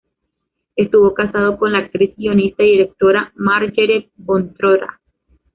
Estuvo casado con la actriz, guionista y directora Margarethe von Trotta.